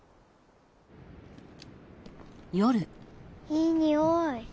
いいにおい。